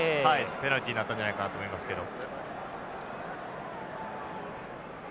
ペナルティになったんじゃないかなと思いますけど。